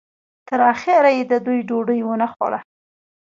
تر اخره یې د دوی ډوډۍ ونه خوړه.